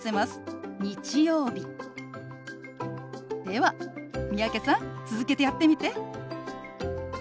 では三宅さん続けてやってみて。